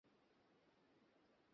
ওদের দিকটাও বোঝ!